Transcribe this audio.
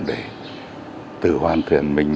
để tự hoàn thiện mình